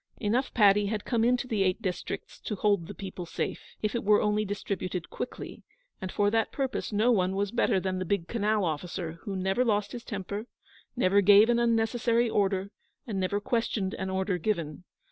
Enough paddy had come into the Eight Districts to hold the people safe, if it were only distributed quickly; and for that purpose no one was better than the big Canal officer, who never lost his temper, never gave an unnecessary order, and never questioned an order given.